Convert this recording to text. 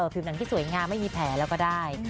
ผิวหนังที่สวยงามไม่มีแผลแล้วก็ได้